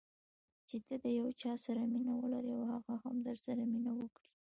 چې ته د یو چا سره مینه ولرې او هغه هم درسره مینه وکړي.